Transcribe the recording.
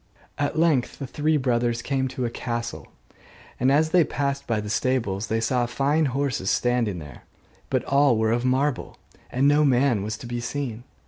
At length the three brothers came to a castle: and as they passed by the stables they saw fine horses standing there, but all were of marble, and no man was to be seen.